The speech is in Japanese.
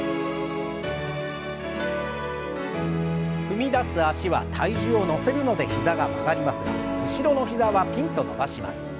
踏み出す脚は体重を乗せるので膝が曲がりますが後ろの膝はピンと伸ばします。